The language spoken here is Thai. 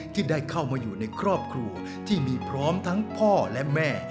ที่ได้เข้ามาอยู่ในครอบครัวที่มีพร้อมทั้งพ่อและแม่